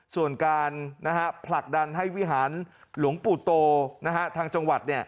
ส่วนการผลักดันให้วิหารหลวงปู่โตทางจังหวัด